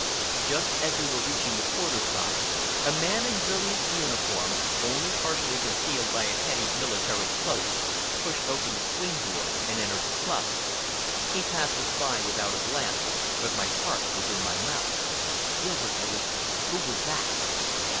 Just as we were reaching the porter's box, a man in brilliant uniform, only partially concealed by a heavy military cloak, pushed open the swing doors and entered the club. He passed us by without a glance, but my heart was in my mouth. "Gilbert," I whispered, "who was that?"